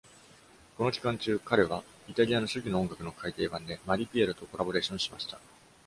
この期間中、彼はイタリアの初期の音楽の改訂版でマリピエロとコラボレーションしました。